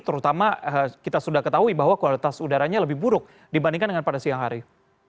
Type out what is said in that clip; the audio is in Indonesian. terutama kita sudah ketahui bahwa kualitas udaranya lebih buruk dibandingkan dengan pada siang hari